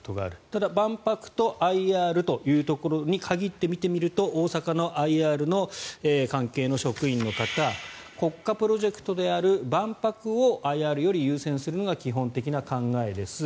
ただ、万博とＩＲというところに限って見てみると大阪のＩＲの関係の職員の方国家プロジェクトである万博をＩＲより優先するのが基本的な考えです。